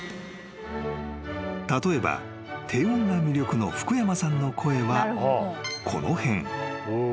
［例えば低音が魅力の福山さんの声はこの辺］